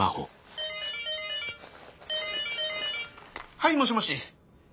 はいもしもし！